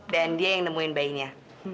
dan dia yang nemuin bayinya